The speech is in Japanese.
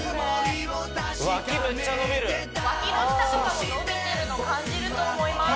脇の下とかも伸びてるの感じると思います